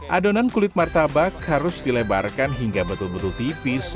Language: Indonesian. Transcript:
adonan kulit martabak harus dilebarkan hingga betul betul tipis